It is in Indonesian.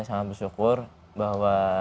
sangat bersyukur bahwa